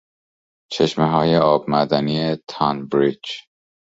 چشمههای آب معدنی تانبریج